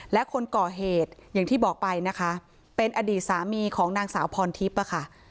และคนก่อเหตุอย่างที่บอกไปนะคะเป็นอดีตสามีของนางสาวพรทิพย์ค่ะ